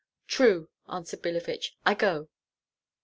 "True," answered Billevich; "I go!"